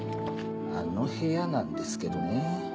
あの部屋なんですけどね